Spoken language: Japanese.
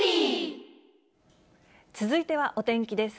続いてはお天気です。